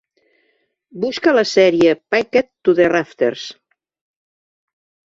Busca la sèrie "Packed to the Rafters".